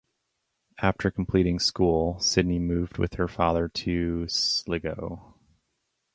After completing school Sydney moved with her father to Sligo.